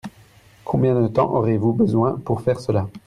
Combien de temps aurez-vous besoin pour faire cela ?